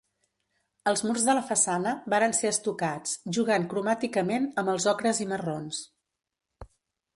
Els murs de la façana varen ser estucats, jugant cromàticament amb els ocres i marrons.